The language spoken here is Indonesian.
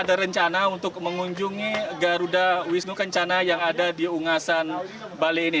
ada rencana untuk mengunjungi garuda wisnu kencana yang ada di ungasan bali ini